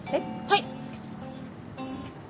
はい。